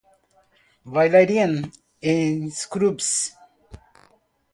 Bailarín en "Scrubs".